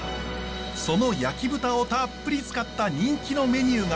その焼き豚をたっぷり使った人気のメニューが。